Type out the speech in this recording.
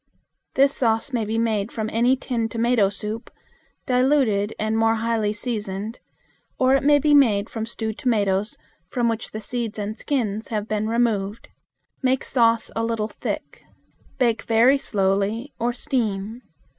This sauce may be made from any tinned tomato soup, diluted and more highly seasoned, or it may be made from stewed tomatoes from which the seeds and skins have been removed. Make sauce a little thick. Bake very slowly or steam.